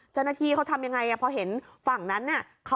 เจ้าหน้าที่เขาทำยังไงพอเห็นฝั่งนั้นน่ะ